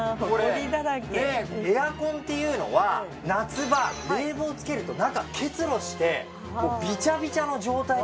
エアコンっていうのは夏場冷房をつけると中結露してビチャビチャの状態になる。